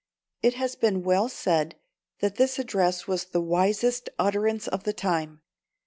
It has been well said that this address was the wisest utterance of the time.